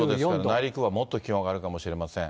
内陸部はもっと気温上がるかもしれません。